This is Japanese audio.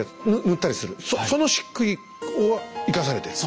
塗ったりするそのしっくいを生かされてる。